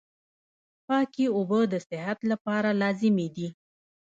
پاکي اوبه د صحت لپاره لازمي دي.